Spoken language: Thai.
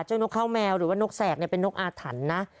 นกข้าวแมวหรือว่านกแสกเป็นนกอาถรรพ์นะ